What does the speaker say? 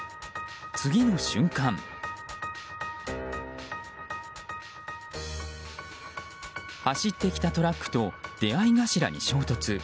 次の瞬間走ってきたトラックと出合い頭に衝突。